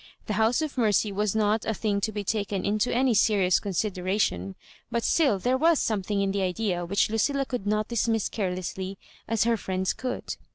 The House of Mercy was not a thing to be taken into any serious consideration ; but still there was something in the idea which Lu cilla could not dismiss carelessly as her friends could.